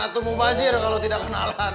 atau mubazir kalau tidak kenalan